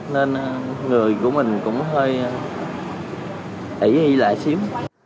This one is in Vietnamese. nên người của mình cũng hơi ý lạ xíu